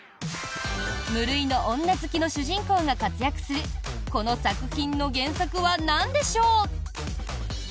無類の女好きの主人公が活躍するこの作品の原作はなんでしょう？